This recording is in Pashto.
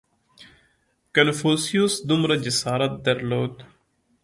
• کنفوسیوس دومره جسارت درلود.